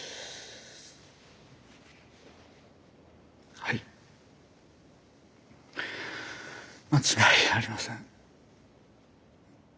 はい間違いありません。